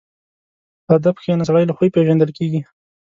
په ادب کښېنه، سړی له خوی پېژندل کېږي.